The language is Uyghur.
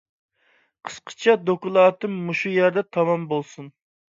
قىسقىچە دوكلاتىم مۇشۇ يەردە تامام بولسۇن.